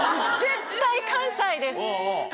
絶対関西です！